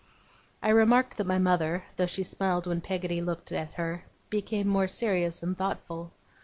I remarked that my mother, though she smiled when Peggotty looked at her, became more serious and thoughtful.